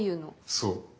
そう。